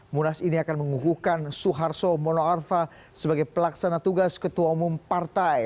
munas ini akan mengukuhkan suharto mono arfa sebagai pelaksana tugas ketua umum partai